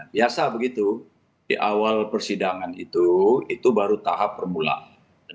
biasa begitu di awal persidangan itu itu baru tahap permulaan